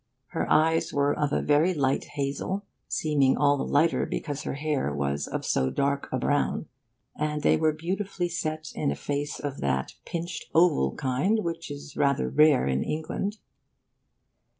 Her eyes were of a very light hazel, seeming all the lighter because her hair was of so dark a brown; and they were beautifully set in a face of that 'pinched oval' kind which is rather rare in England.